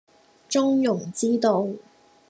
中庸之道